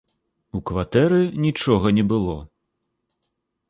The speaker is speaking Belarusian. У кватэры нічога не было.